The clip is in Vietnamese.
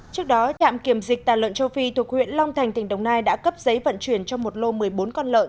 trước đó trạm kiểm dịch tà lợn châu phi thuộc huyện long thành tỉnh đồng nai đã cấp giấy vận chuyển cho một lô một mươi bốn con lợn